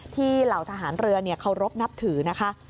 เหล่าทหารเรือเคารพนับถือนะคะ